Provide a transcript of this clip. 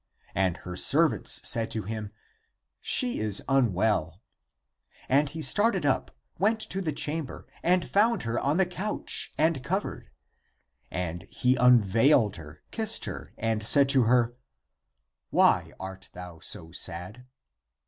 And her servants said to him, " She is unwell." And he started up, went to the chamber and found her on the couch and covered. And he unveiled her, kissed her, and said to her, " Why art thou so sad?"